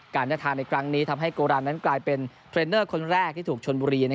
การเดินทางในครั้งนี้ทำให้โกรามนั้นกลายเป็นเทรนเนอร์คนแรกที่ถูกชนบุรี